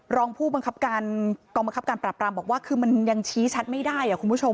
รองผู้บังคับการกองบังคับการปรับรามบอกว่าคือมันยังชี้ชัดไม่ได้คุณผู้ชม